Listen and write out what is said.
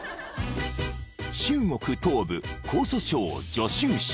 ［中国東部江蘇省徐州市］